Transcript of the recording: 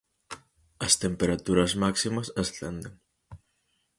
As temperaturas máximas ascenden.